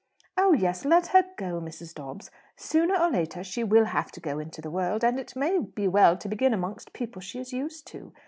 "Oh yes, let her go, Mrs. Dobbs. Sooner or later she will have to go into the world, and it may be well to begin amongst people she is used to.